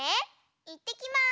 いってきます！